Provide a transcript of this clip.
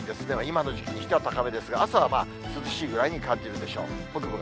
今の時期にしては高めですが、朝はまあ、涼しいぐらいに感じるでしょう。